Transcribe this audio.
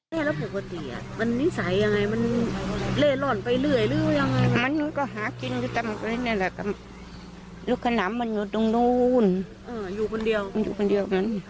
อยากฝากอะไรถึงลูกชายไหมตอนนี้